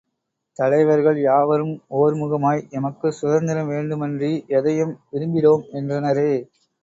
தலைவர்கள் யாவரும் ஒர்முகமாய், எமக்குச் சுதந்திரம் வேண்டுமன்றி எதையும் விரும்பிடோம் என்றனரே.